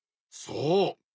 そう。